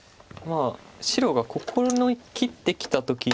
白がここを切ってきた時に。